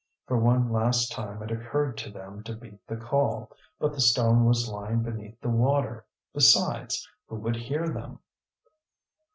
For one last time it occurred to them to beat the call, but the stone was lying beneath the water. Besides, who would hear them?